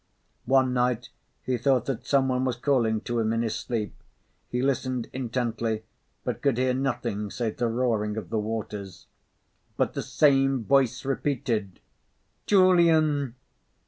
One night he thought that some one was calling to him in his sleep. He listened intently, but could hear nothing save the roaring of the waters. But the same voice repeated: "Julian!"